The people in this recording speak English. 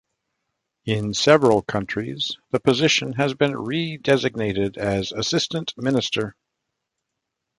In several countries the position has been re-designated as assistant minister.